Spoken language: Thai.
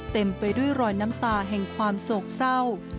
เต็มไปด้วยรอยน้ำตาแห่งความโศกเศร้า